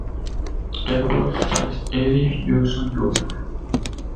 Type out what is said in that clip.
Edward "Fast Eddie" Johnson, Jr.